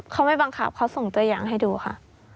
เขาไม่บังคับเขาส่งตัวอย่างให้ดูค่ะ